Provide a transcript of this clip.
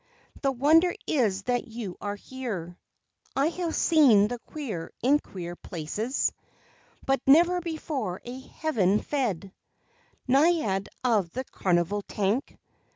The wonder is that you are here; I have seen the queer in queer places, But never before a heaven fed Naiad of the Carnival Tank!